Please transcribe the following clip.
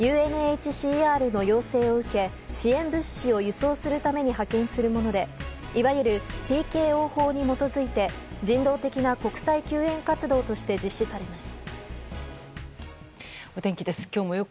ＵＮＨＣＲの要請を受け支援物資を輸送するために派遣するものでいわゆるＰＫＯ法に基づいて人道的な国際救援活動として実施されます。